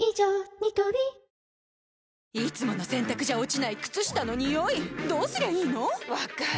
ニトリいつもの洗たくじゃ落ちない靴下のニオイどうすりゃいいの⁉分かる。